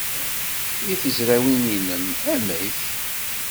I tezrawin-nnem, amek?